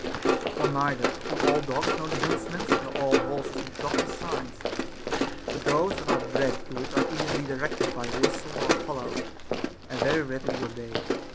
For neither SOCRATES'S DAEMON. 413 do all clogs know the huntsman's, nor all horses the jockey's signs ; hut those that are bred to it are easily directed by a whistle or a hollow, and very readily obey.